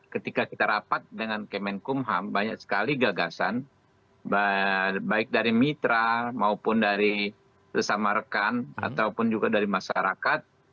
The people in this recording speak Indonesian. ketika kita rapat dengan kemenkumham banyak sekali gagasan baik dari mitra maupun dari sesama rekan ataupun juga dari masyarakat